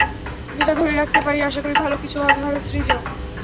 যেটা যদি ধরে রাখতে পারি, আশা করি ভালো কিছু হবে ভারত সিরিজেও।